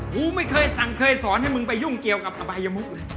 กูไม่เคยสั่งเคยสอนให้มึงไปยุ่งเกี่ยวกับอบายมุกเลย